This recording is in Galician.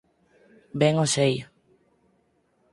Ben o sei.